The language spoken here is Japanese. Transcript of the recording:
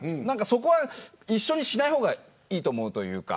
そこは一緒にしない方がいいと思うというか。